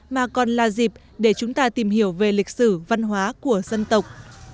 mà còn là dịp để chúng ta tìm hiểu về lịch sử văn hóa của dân tộc